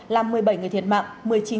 làm một mươi bảy người thiệt mạng